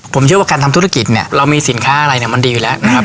ผมเชื่อว่าการทำธุรกิจเนี่ยเรามีสินค้าอะไรเนี่ยมันดีอยู่แล้วนะครับ